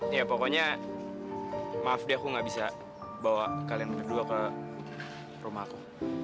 ya pokoknya maaf deh aku gak bisa bawa kalian berdua ke rumahku